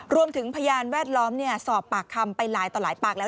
พยานแวดล้อมสอบปากคำไปหลายต่อหลายปากแล้ว